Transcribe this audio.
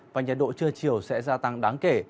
và nhiệt độ trưa chiều sẽ gia tăng đáng kể